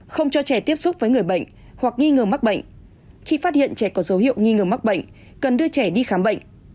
không cho trẻ tiếp xúc với người bệnh hoặc nghi ngờ mắc bệnh